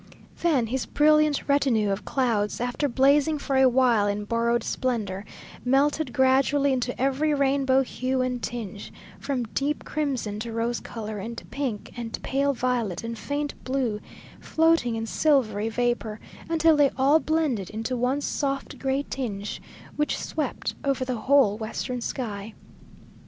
Then his brilliant retinue of clouds, after blazing for a while in borrowed splendour, melted gradually into every rainbow hue and tinge; from deep crimson to rose colour and pink and pale violet and faint blue, floating in silvery vapour, until they all blended into one soft gray tinge, which swept over the whole western sky.